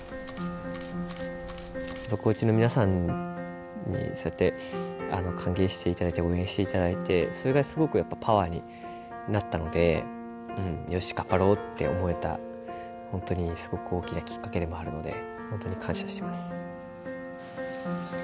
高知の皆さんにそうやって歓迎していただいて応援していただいてそれがすごくやっぱパワーになったので「よし頑張ろう」って思えた本当にすごく大きなきっかけでもあるので本当に感謝してます。